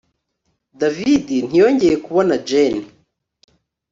David ntiyongeye kubona Jane